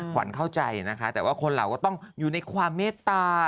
ขวัญเข้าใจนะคะแต่ว่าคนเราก็ต้องอยู่ในความเมตตา